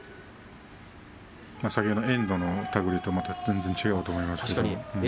先ほどの遠藤の手繰りとは全然違うと思いますよ。